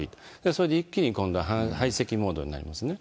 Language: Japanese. それで一気に今度排斥モードになりますね。